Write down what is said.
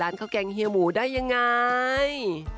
ร้านเก้าแกงเฮียหมูได้อย่างไร